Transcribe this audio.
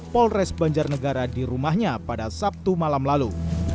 polres banjarnegara di rumahnya pada sabtu malam lalu